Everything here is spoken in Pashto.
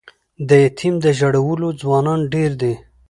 د یتیم د ژړولو ځوانان ډیر دي